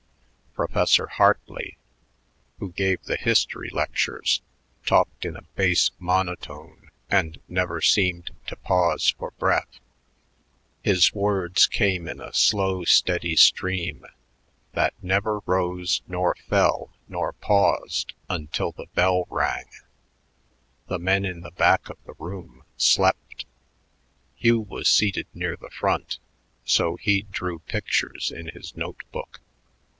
Professor Hartley, who gave the history lectures, talked in a bass monotone and never seemed to pause for breath. His words came in a slow steady stream that never rose nor fell nor paused until the bell rang. The men in the back of the room slept. Hugh was seated near the front; so he drew pictures in his note book.